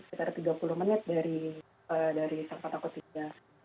sekitar tiga puluh menit dari tempat aku tinggal